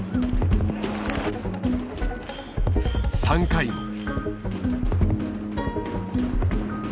３回も。